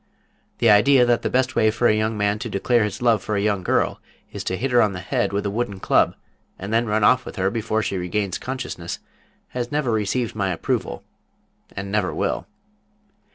The idea that the best way for a young man to declare his love for a young girl is to hit her on the head with a wooden club and then run off with her before she regains consciousness has never received my approval, and never will.